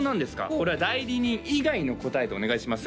これは代理人以外の答えでお願いします